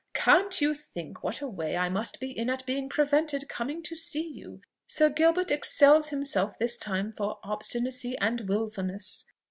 "Can't you think what a way I must be in at being prevented coming to see you? Sir Gilbert excels himself this time for obstinacy and wilfulness.